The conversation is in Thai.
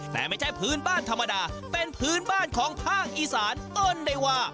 แต่ไม่ใช่พื้นบ้านธรรมดาเป็นพื้นบ้านของภาคอีสานอ้นเดวา